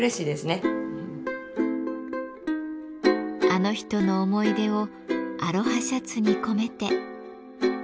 あの人の思い出をアロハシャツに込めて。